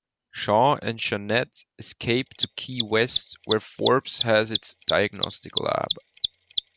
Sean and Janet escape to Key West where Forbes has its Diagnostic lab.